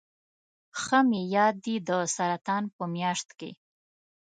ښه مې یاد دي د سرطان په میاشت کې.